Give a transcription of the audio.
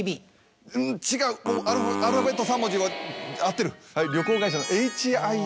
違うアルファベット３文字は合ってる。